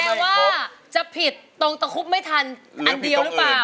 ว่าจะผิดตรงตะคุบไม่ทันอันเดียวหรือเปล่า